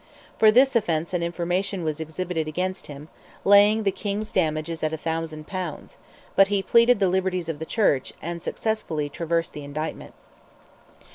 For this offence an information was exhibited against him, laying the King's damages at a thousand pounds; but he pleaded the liberties of the Church, and successfully traversed the indictment.